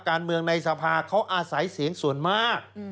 การเมืองในสภาเขาอาศัยเสียงส่วนมาก